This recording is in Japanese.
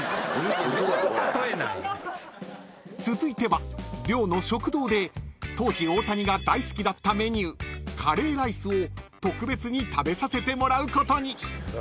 ［続いては寮の食堂で当時大谷が大好きだったメニューカレーライスを特別に食べさせてもらうことに］